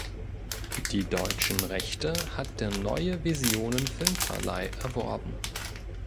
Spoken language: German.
Die deutschen Rechte hat der Neue Visionen Filmverleih erworben.